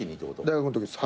大学のときです。